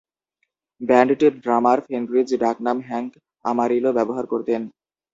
ব্যান্ডটির drummer, Fenriz, ডাকনাম "Hank amarillo" ব্যবহার করতেন।